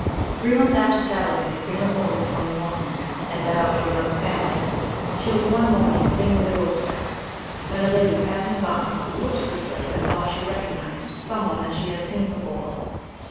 Three months after Salome had been removed from Morton's and let out to another family, she was one morning cleaning the door steps, when a lady passing by, looked at the slave and thought she recognised some one that she had seen before.